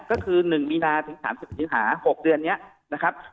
ก็คือ๑มีนาถึง๓๐สิงหา๖เดือนนี้นะครับ